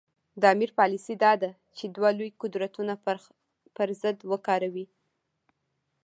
د امیر پالیسي دا ده چې دوه لوی قدرتونه پر ضد وکاروي.